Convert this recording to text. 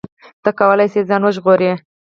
ته کولی شې ځان وژغورې.